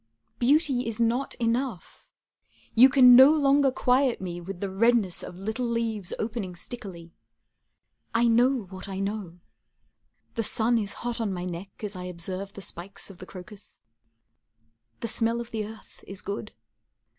Beauty is not enough. You can no longer quiet me with the redness Of little leaves opening stickily. I know what I know. The sun is hot on my neck as I observe The spikes of the crocus. The smell of the earth is good.